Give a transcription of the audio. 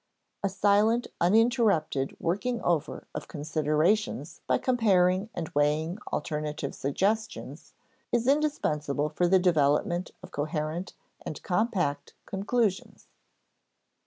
A silent, uninterrupted working over of considerations by comparing and weighing alternative suggestions, is indispensable for the development of coherent and compact conclusions.